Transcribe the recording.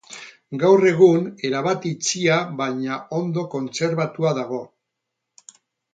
Gaur egun, erabat itxia baina ondo kontserbatua dago.